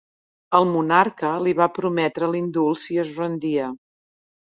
El monarca li va prometre l'indult si es rendia.